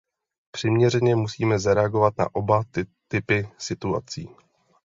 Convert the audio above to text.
Přiměřeně musíme zareagovat na oba typy situací.